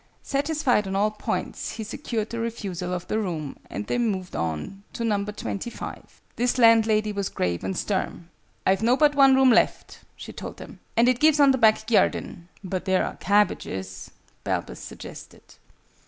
Satisfied on all points, he secured the refusal of the room, and they moved on to Number Twenty five. This landlady was grave and stern. "I've nobbut one room left," she told them: "and it gives on the back gyardin." "But there are cabbages?" Balbus suggested.